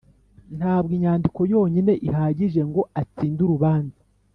Ntabwo inyandiko yonyine ihagije ngo atsinde urubanza